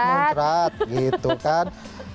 muncrat muncrat gitu kan